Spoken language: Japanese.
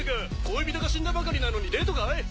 恋人が死んだばかりなのにデートかい？